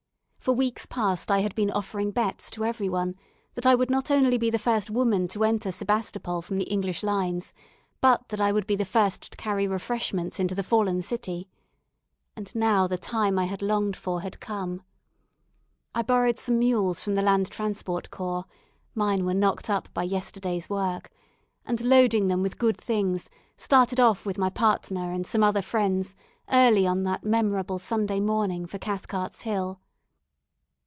For weeks past I had been offering bets to every one that I would not only be the first woman to enter Sebastopol from the English lines, but that I would be the first to carry refreshments into the fallen city. And now the time I had longed for had come. I borrowed some mules from the Land Transport Corps mine were knocked up by yesterday's work and loading them with good things, started off with my partner and some other friends early on that memorable Sunday morning for Cathcart's Hill.